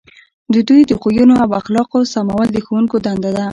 د دوی د خویونو او اخلاقو سمول د ښوونکو دنده ده.